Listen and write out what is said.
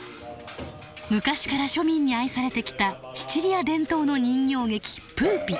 昔から庶民に愛されてきたシチリア伝統の人形劇プーピ。